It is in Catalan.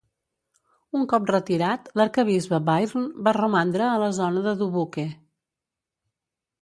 Un cop retirat, l'arquebisbe Byrne va romandre a la zona de Dubuque.